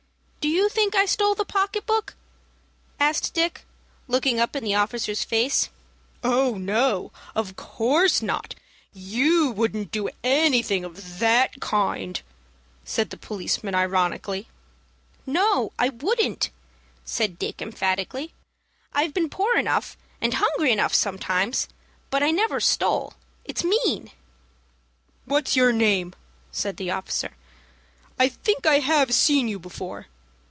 "Do you think I stole the pocket book?" asked Dick, looking up in the officer's face. "Oh, no, of course not! You wouldn't do anything of that kind," said the policeman, ironically. "No, I wouldn't," said Dick, emphatically. "I've been poor enough and hungry enough sometimes, but I never stole. It's mean." "What is your name?" said the officer. "I think I have seen you before."